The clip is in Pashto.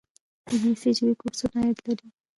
د انګلیسي ژبې کورسونه عاید لري؟